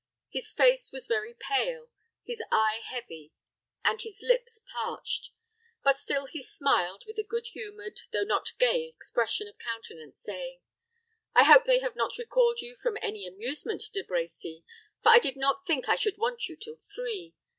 His face was very pale, his eye heavy, and his lips parched; but still he smiled with a good humored, though not gay expression of countenance, saying, "I hope they have not recalled you from any amusement, De Brecy; for I did not think I should want you till three.